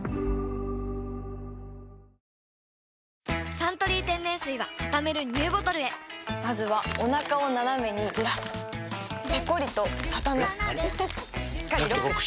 「サントリー天然水」はたためるＮＥＷボトルへまずはおなかをナナメにずらすペコリ！とたたむしっかりロック！